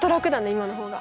今の方が。